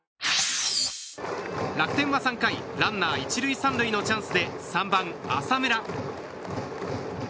楽天は３回ランナー１塁３塁のチャンスで３番、浅村。